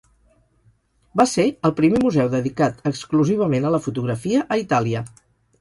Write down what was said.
Va ser el primer museu dedicat exclusivament a la fotografia a Itàlia.